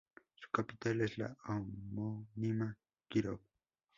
Su capital es la homónima Kírov.